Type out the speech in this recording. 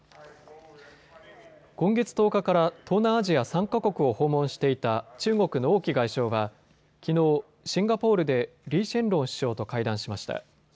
今月１０日から東南アジア３か国を訪問していた中国の王毅外相はきのう、シンガポールでリー・シェンロン首相と会談しました。